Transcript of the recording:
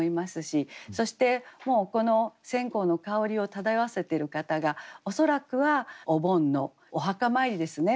そしてこの線香の香りを漂わせてる方が恐らくはお盆のお墓参りですね。